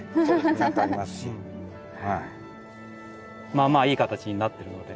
まあまあいい形になってるので。